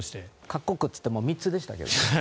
各国といっても３つでしたけど。